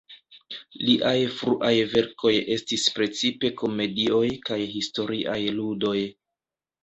Liaj fruaj verkoj estis precipe komedioj kaj historiaj ludoj.